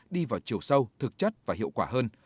đi vào chiều sâu thực chất và hiệu quả hơn